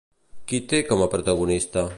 Qui té com a protagonista?